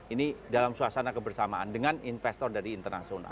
ini dalam suasana kebersamaan dengan investor dari internasional